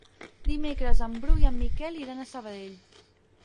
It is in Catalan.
Dimecres en Bru i en Miquel iran a Sabadell.